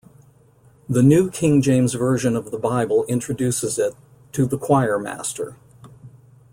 The New King James Version of the Bible introduces it: To the choirmaster.